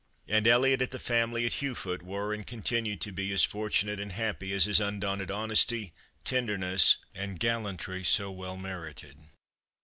And Elliot and the family at Heugh foot were, and continued to be, as fortunate and happy as his undaunted honesty, tenderness, and gallantry so well merited.